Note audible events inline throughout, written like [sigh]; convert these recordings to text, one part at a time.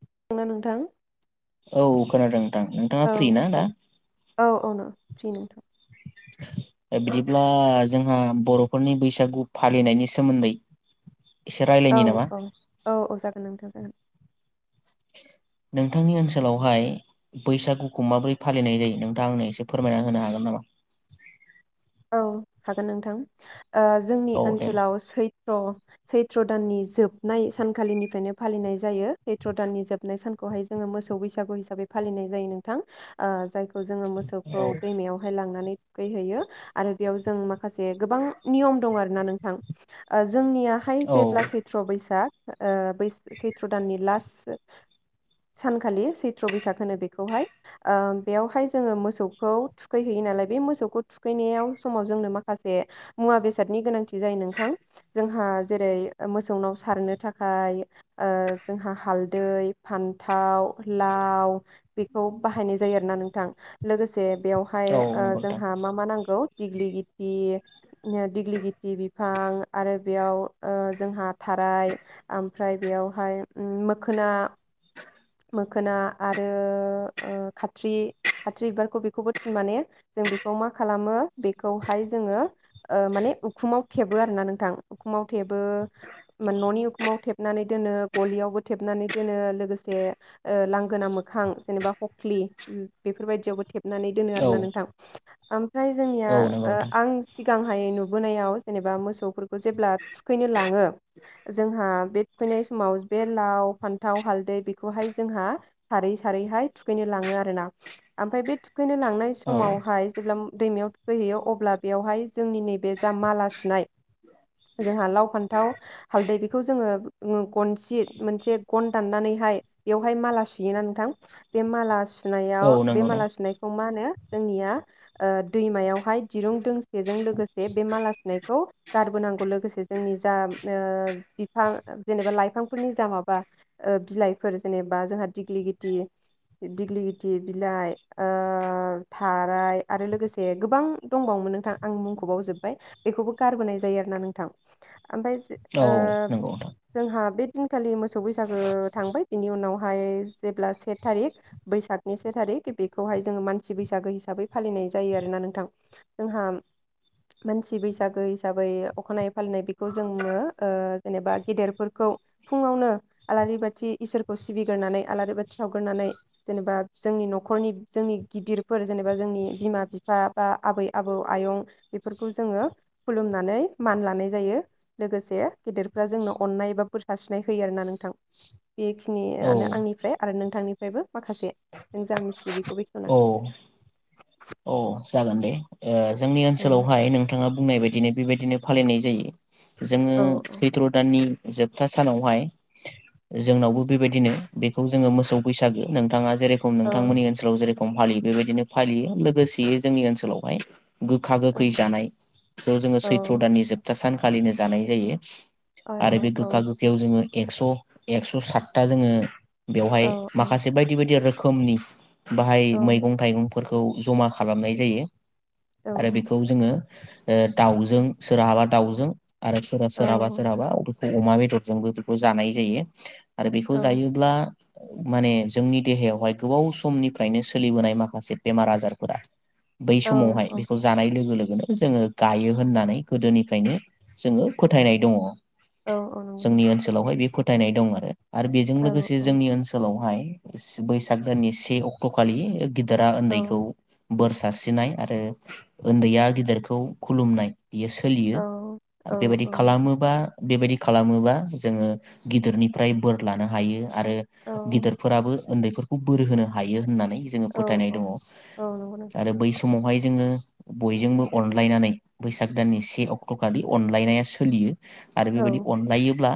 [unintelligible] ना नोंथां। औ खोनादों? नोंथाङा औ फ्रि ना औ दा औ औ न' फ्रि नोंथां। ए बिदिब्ला जोंहा बर'फोरनि बैसागु फालिनायनि सोमोन्दै एसे औ रायलायनि नामा औ औ औ जागोन नोंथां जागोन। नोंथांनि ओनसोलावहाय बैसागुखौ माबोरै फालिनाय जायो। नोंथाङा आंनो एसे फोरमायना होनो हागोन नामा? औ हागोन नोंथां ओ जोंनि औ दे ओनसोलाव सैथ थ्र सैथ्र दाननि जोबनाय सानखालिनिफ्रायनो फालिनाय जायो। सैथ्र दाननि जोबनाय सानखौहाय जोङो मोसौ बैसागु हिसाबै फालिनाय जायो नोंथां। ओ जायख खौ जोङो मोसौखौ दैमायावहाय लांनानै खै हैयो। आरो बेयाव जों माखासे गोबां नियम दं आरोना नोंथां। ओज जोंनियाहाय औ जेब्ला सैथ्र बैसाग ओ बै सैथ्र दाननि लास ओ सानखालि सैथ्र बैसाग होनो बेखौहाय। ओ बेयावहाय जोङो मोसौखौ थुखैहैयो नालाय बे मोसौखौ थुखैनायाव समाव जोंनो माखासे मुवा बेसादनि गोनांथि जायो नोंथां। जोंहा जेरै मोसौनाव सारनो थाखाय ओ जोंहा हालदै फान्थाव, लाव बेखौ बाहायनाय जायो आरोना नोंथां। लोगोस जे बेवहाय औ ओ नंगौ नोंथां जोंहा मा मा नांगौ दिग्लि गित दिग्लि गिथि बिफां आरो बेयाव ओ जोंहा थाराय ओमफ्राय बेयावहाय उम मोखोना मोखोना आरो ओ खाथ्रि खाथ्रि बिबारखौ बेखौबो माने जों बेखौ मा खालामो बेखौहाय जोङो ओ माने उखुमाव थेबो आरो ना नोंथां उखुमाव थेबो न'नि उखुमाव थेबनानै दोनो गलियावबो थेबनानै दोनो लोगो से ओ लांगोना मोखां जेनेबा खखलि बेफोरबायदियावबो थेब नानै दोनो आरो औ ना नोंथां फ्राय जोंनिया औ नंगौ ओ नोंथां आं सि सिगांहाय नुबोनायाव जेनेबा मोसौफोरखौ जेब्ला थुखैनो लाङो जोंहा बे थुखैनाय समाव बे लाव, फान्थाव, हालदै बेखौहाय जोंहा सारै सारैहाय थुखैनो लाङो आरो ना ओमफ्राय बे थुखैनो लांनाय औ समावहाय जेब्ला दैमायाव थुखैहैयो अब्ला बेवहाय जोंनि नैबे जा माला सुनाय जोंहा लाव, फान्थाव, हालदै बेखौ जोङो ङो गनस जि मोनसे गन दाननानै हाय बेवहाय माला सु बियोना नोंथां बे माला सुनायाव औ बे नंगौ ना माला सुनायखौ मा होनो जोंनिया ओ दैमायावहाय दिरुं दोंसेजों लोगोसे बे माला सुनायखौ गारबोनांगौ लोगोसे जोंनि जा ओ बिफां जेनेबा लाइफांफोरनि जा माबा ओ बिलाइ फोर जेनेबा जोंहा दिग्लि गित दिग्लि गिथि बिलाइ ओ थाराय आरो लोगोसे गोबां दंबावोमोन नोंथां आं मुंखौ बावजोबबाय बेखौबो गारबोनाय जायो आरोना नोंथां। ओमफ्राय औ ओ नंगौ नोंथां जोंहा बे जुनखालि मो सौ बैसागो थांबाय उनावहाय जेब्ला से थारिख बैसागनि से थारिख बेखौहाय जोङो मानसि बैसागो हिसाबै फालिनाय जायो आरोना नोंथां जोंहा मानसि बैसागो हिसाबै अखानायै फालिनाय बेखौ जोङो ओ जेनेबा गेदेरफोरखौ फुंवानो आलारि बाथि इसोर खौ सिबिग्रोनानै आलारि बाथि सावगोरनानै जेनेबा जोंनि न'खरनि जोंनि गिदिरफोर जेनेबा जोंनि बिमा-बिफा बा आबै-आबौ आयं बेफोरखौ जोङो खुलुमनानै मान लानाय जायो लोगोसे गेदेरफ्रा जोंनो अननाय बा बोर सारस्रिनाय होयो आर ना नोंथां बे औ खिनिआनो आंनिफ्राय आरो नों नोथांनिफ्रायबो माखासे नों जा मिथियो बेखौ बेखेवना औ औ जागोन दे ए जोंनि औ ओनसोलावहाय नोंथांआ बुंनाय बायदिनो बेबायदिनो फालिनाय जायो। जोंङो औ सैथ्र दाननि जोबथा सानावहाय जोंनावबो बेबायदिनो बेखौ जोंङो मोसौ बैसागो नोंथाङा जेरखम औ नोंथांमोननि ओनसोल जेर खम फालियो बेबायदिनो फालियो लो गोसेयै जोंनि ओनसोलावहाय गोखा औ गोखै जानाय बेखौ जोंङो सैथ्र दाननि जोबथा सान फालिनो जानाय जायो। औ आरो बे औ औ गोखा गोखायाव जोंङो एक्स-एक्स सातथा जोंङो औ बेवहाय औ माखासे बायदि-बायदि रोख खोमनि बाहाय औ मैगं थाइगं फोरखौ जमा‌ खालामनाय जायो। आरो बेखौ जोंङो ओ दाउजों सोरहाबा दाउजों आरो औ सोरा-सोराबा-सोराबा अमा बेदरजोंबो बेफोरखौ जानाय जायो। आरो बेखौ जायोब्ला माने जोंनि देहायावहाय गोबाव समनिफ्रायनो सोलिबोनाय माखासे बेमार आजारफोरा बै औ समावहाय बेखौ जानाय लोगो-लो गो जोंङो गायो होननानै गोदोनिफ्रायनो जोंङो फोथायनाय दंङ। औ औ नंगौ जोंनि नोंथां ओनसोलावहाय बेफोर फोथायनाय दं आरो। आरो बेजों औ लोगोसे औ जोंनि ओनसोलावहाय बैस-बैसाग दाननि से अक्ट' खालि गि देरा औ उन्दैखौ बोर सारस्रिनाय आरो उन्दैया गिदिरखौ खुलुमनाय बियो सोलियो औ औ आरो बेबायदि औ नोंथां खालामोबा बेबायदि खालामोबा जोङो गिदिरनिफ्राय बोर लानो हायो। आरो औ गिदिरफोराबो उन्दैफोरखौ बोरो होनो हायो होननानै जोङो औ फोथायनाय औ दङ औ नंगौ । नोंथां आरो बै समावहाय जोङो बयजोंबो अनलायनानै बैसाग दाननि से अक्ट' खालि अनलायनाया सोलियो । आरो बेबायदि औ अनलायोब्ला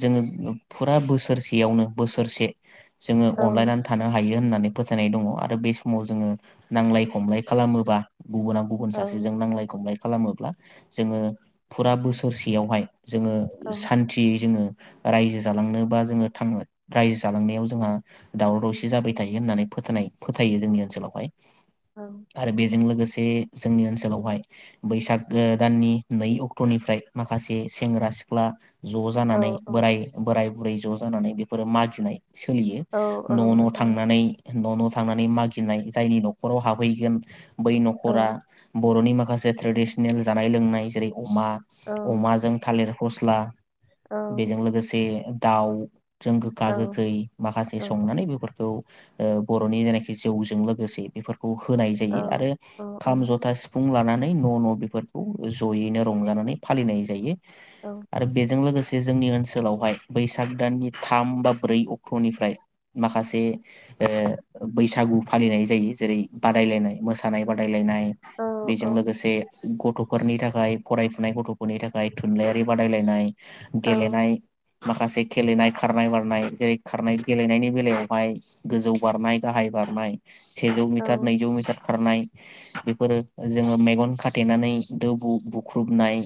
जोङो फुरा बोसोरसेयावनो बोसोरसे जोङो औ अनलायनानै थानो हायो। होननानै फोसथायनाय दङ आरो बे समाव जोङो नांलाय खमलाय खालामोबा गुबुना गुबुन औ सासेजों नांलाय खमलाय खालामोब्ला जोङो फुरा बोसोरसेयावहाय जोङो औ सान्थियै जोङो रायजो जालांनोबा जोङो थाङो रायजो जालांनायाव जोंहा दावराव दावसि जाबाय थायो होननानै फोथायनाय फोथायो जोंनि ओनसोलावहाय। आरो बेजों लोगोसे बे जोंनि ओनसोलावहाय बैसागो दाननि नै अक्ट'निफ्राय माखासे सेंग्रा सिख्ला ज' औ जानानै औ बोराय बोराय बुरै ज' जानानै बेफोरो मागिनाय सोलियो औ औ नंगौ नोंथां औ नोंथां औ न' नंगौ न' नोंथां थांनानै । न' न' थांनानै मागिनाय जायनि न'खराव हाबहैगोन बै औ न'खरा बर'नि माखा माखासे ट्रेडिसनेल जानाय लोंनाय जेरै अमा, औ अमाजों थालिर फस्ला औ बेजों लोगोसे दाउ जों गोखा औ गोखै माखासे संनानै बेफोरखौ ओ बर'नि जेनाखि जौजों लों लोगोसे बेफोर होनाय जायो आरो औ खाम, जथा, सिफुं लानानै नै न' न' बेफोरखौ ज'यैनो रंजानानै फालिनाय जायो। औ आरो बेजों लोगोसे जे जोंनि ओनसोलावहाय बैसाग दाननि थाम बा ब्रै अक्ट'निफ्राय माखासे ओ बैसागु फालिनाय जायो जेरै बादायलायनाय मोसानाय बादाय गेलेनाय बेजों लोगोसे गथ'फोरनि थाखाय फरायफुनाय गथ'फोरनि थाखाय थुनलाइयारि बादायलायनाय। गेलेनाय माखासे गेलेनाय खारनाय बारनाय। जेरै खारनाय गेलेनायनि बेलायावहाय गोजौ बारनाय, गाहाय बारनाय। सेजौ मिथार नंगौ नैजौ मिथार खारनाय बेफोरो जोङो मेगन खाथेनानै दो बु- बुख्रुबनाय,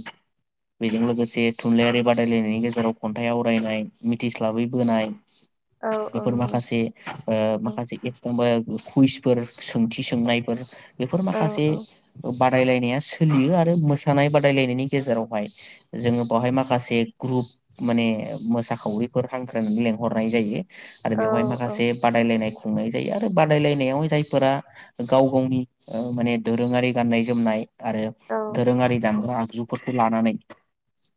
बेजों लोगोसे थुनलाइयारि बादायलायनायनि गेजेराव खन्थाइ आवरायनाय, मिथिस्लाबै बोनाय। नोंथां बेफोर माखासे ओ माखासे [unintelligible] कुइसफोर सोंथि सोंनायफोर बेफोर माखासे बादायलायनाया सोलियो आरो मोसानाय बादायलायनायनि गेजेरावहाय जोङो बावहाय माखासे ग्रुप माने मोसाखावरिफोर हांख्रायनानै लेंहरनाय जायो। आरो बेवहाय माखासे बादायलायनाय खुंनाय जायो आरो बादायलायनायाव जायफोरा गाव गावनि ओ माने दोरोङारि गाननाय जोमनाय आरो दोरोङारि दामग्रा आग जुफोरखौ लानानै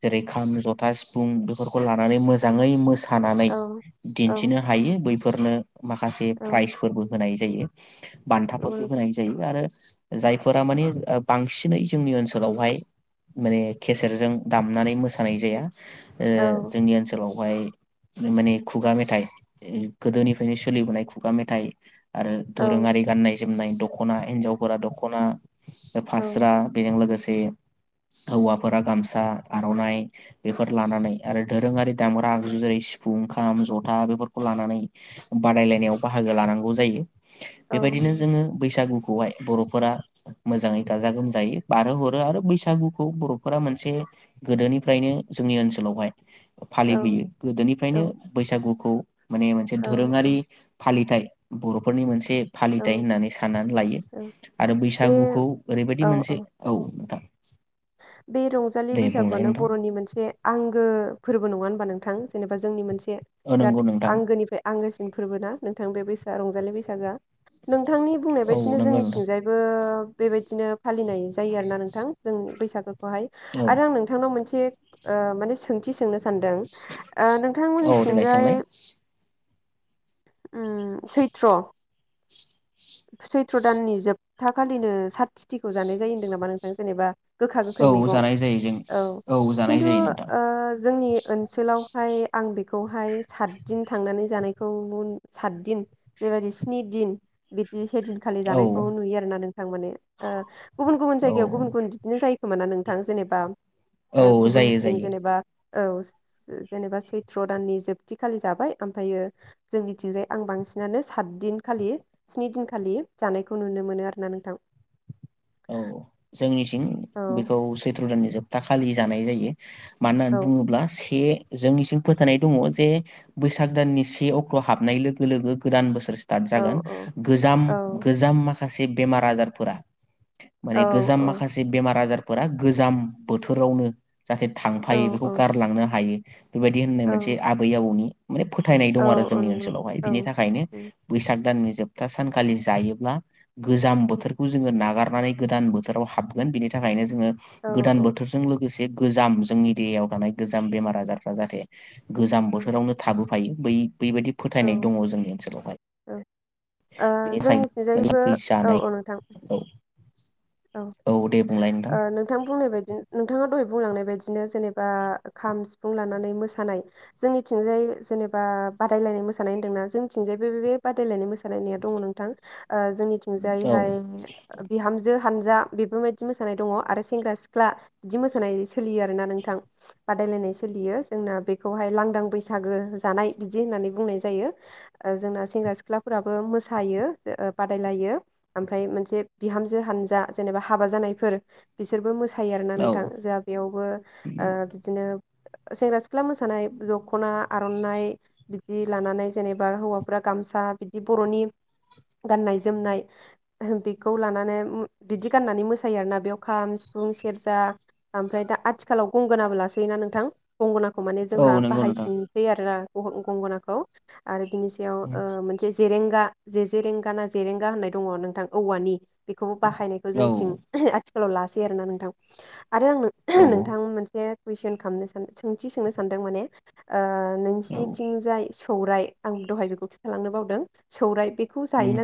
जेरै खाम, जथा, सिफुं बेफोरखौ लानानै मोजाङै मोस सानानै दिन्थिनो हायो। बै फोरनो माखासे प्राइजफोरबो होनाय जायो। बान्थाफोरखौ होनाय जायो आरो जायफोरा माने ओ बांसिनै जोंनि ओनसोलावहाय, माने खसेरजों दामनानै मोसानाय जाया। ओ औ जोंनि ओनसोलाव हाय माने खुगा मेथाइ, गोदोनिफ्रायनो सोलिबोनाय खुगा मेथाइ आरो औ दोरोङारि गान्नाय जोमनाय दखना हिन्जावफोरा दखना ओ औ फास्रा बेजों लोगोसे जे हौवाफोरा गामसा आर'नाइ बेफोर लानानै आरो दोरोङारि दामग्रा आगजु जेरै सिफुं ओं खाम जथा बेफोरखौ लानानै बादायलायनायाव बाहागो लानांगौ जायो। औ बेबायदिनो नंगौ जोङो बैसागु खौहाय बर'फोरा मोजाङै गाजा गोमजायै बारहो हरो आरो बैसागुखौ बर'फोरा मोनसे गोदोनिफ्रायनो जोंनि ओनसोलावहाय औ फालिबोयो औ गोदोनिफ्रायनो बैसागुखौ माने मोनसे औ औ धोरोङारि फालिथाय बर नि मोनसे स औ फालिथायाइ होननानै साननानै लायो, औ आरो बे बैसागुखौ ओरैबायदि मोनसे औ नोंथां‌। बे रंजालि बैसागुआनो नोंथां बरनि मोनसे आंगो। फोरबो नङा होनोमबा नोंथां? जेनेबा जोंनि मोनसे औ बिराद नंगौ नोंथां आंगोनिफ्राय आंगो। फोरबो ना नोंथां बे रंजालि बैसागोआ नोंथांनि बुंनाय औ बायदिनो नंगौ नोंथां जोंनिथिंजायबो। बेबायदिनो फालिनाय जायो आरोना नोंथां जोंनि। बैसागो- खौहाय औ आरो आं नोंथांनाव मोनसे माने ओ सोंथि सोंनो सानदों, ओ औ देलाय नोंथांमोननिथिंजाय सोंलाय उम सैत्र। सैथ्र दाननि जोबथा खालिनो साथथुथिखौ जानाय जायो होनदों नामा नोंथां जेनेबा गोखा गोखै औ मैगं जानाय जायो जों औ जानाय खिन्थु जायो नोंथां ओ जोंनि ओनसोलाव। ओमफ्राय आं बेखौहाय सातदिन थांनानै जानायखौ सातदिन जेबायदि स्नि दिन। बिदि बे दिनखालि जानायखौ औ नुयो आरो ना नों- थां माने ओ गुबुन गुबुन जायगायाव औ गुबुन बिदिनो जायोखोमा ना नों- थां जेनबा। औ ओ जायो गुबुनथिं जायो जेनेबा। औ, जेनेबा सैथ्र' दाननि जोबथिखालि जाबाय ओमफ्रायो जोंनिथिंजाय आं बांसिनानो सात दिनखालि। स्नि दिनखालि जानायखौ नुनो मोनो आरो ना नोंथां? औ जोंनिथिं औ बेखौ सैथ्र। दाननि जोबथा खालि जानाय जायो। मानो औ होननानै बुङोब्ला से जोंनिसिम फोथायनाय दङ जे बैसाग दाननि से अक्ट' हाबनाय लोगो लोगो गोदान बोसोर। स्टार्ट औ जागोन गोजाम औ गोजाम माखासे माखासे बेमार आजारफोरा। औ माने गोजाम माखासे बेमार आजार बा गोजाम बोथोरावनो। जाहाथे औ थांफायो बेखौ गारलांनो हायो। बेबायदि होननाय औ मोनसे आबै आबौनि माने फोथायनाय औ दं आरो औ जोंनि नंगौ नोंथां ओनसोलावहाय औ बिनि थाखायनो उम बैसाग दाननि जोबथा सानखालि जायोब्ला गोजां बोथोरखौ जोङो नागार गोदान बोथोराव हाबगोन बेनि थाखायनो जो औ गोदान बोथोरजों लोगोसे जे गोजाम जोंनि देहायाव थानाय गोजाम बेमार आजारफ्रा जाहाथे गोजां औ बोथोरावनो थाबो थायो बै बेबायदि फोथायनाय दङ जोंनि औ ओनसोलावहाय ओ बेखाय जोंनिथिंजायबो मानेै औ जानाय औ नोंथां औ औ नोंथां बुंनाय बायदि नोंथाङा दहाय बुंलांनाय बायदिनो जेनेबा खाम सिफुं लानानै मोसानाय जोंनिथिंजाय जेनेबा बादायलायनाय मोसानाय होन्दोंना जोंनिथिंजाय बे बादायलायनाय मोसा लायनाया दं नोंथां औ जोंनिथिंजायैहाय बिहामजो हानजा बेफोरबायदि मोसानाय दं आरो सेंग्रा सिख्ला बिदि मोसानाय सोलियो आरोना नोंथां बादायलायनाय सोलियो जोंना बेखौहाय लांदां बैसागो जानाय बिदि होननानै बुंनाय जायो जोंना सेंग्रा सिख्लाफोराबो मोसायो बादायलायो ओमफ्राय मोनसे बि हामजो जेनेबा हाबा जानायफोर बिसोरबो मोसा सायो आरोना औ नोंथां जोंहा बेयावबो ओ बिदिनो सेंग्रा सिख्ला मोसानाय दख'ना आर'नाइ बिदि लानानै जेनेबा हौवाफ्रा गामसा बिदि बर'नि गाननाय जोमनाय बेखौ लानानै बिदि गाननानै मोसायो आरोना बेयाव खाम सिफुं सेरजा ओमफ्राय दा आथिखालाव गंगोनाबो लासै ना नोंथां गंगोना खौ माने औ जोंहा नंगौ नोंथां बाहायफिनसै आरोना। गंगनाखौ आरो बिनि सायाव मोनसे जेरेंगा जे जेरेंगाना जेरेंगा होननाय दङ नोंथां औवानि बेखौबो बाहायनायखौ औ जोंनिथिं आथिखालाव लासै आरोना नोंथां। आरो आं औ नोंथां मोनसे कुइसन खालामनो सान सोंथि सोंनो सानदों माने ओ नों औ सिनिथिंजाय सौराय आं दहाय बेखौ खिन्थालांनो बावदों सौराय बे उम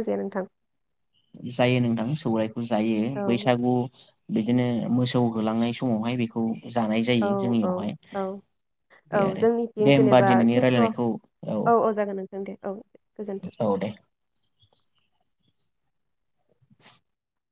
जायो नोंथां। सौराय। जायो औ बैसागु बि बिदिनो मोसौ होलांनाय समावहाय बेखौ जानाय औ जायो औ जोंनियावहाय औ औ बे आरो जोंनिथिं दे होमबा जेनेबा दिनैनि रायलायनायखौ औ। थां दे औ। गोजोन्थों। औ दे [unintelligible]